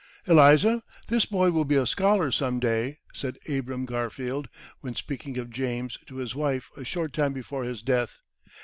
"Eliza, this boy will be a scholar some day!" said Abram Garfield when speaking of James to his wife a short time before his death.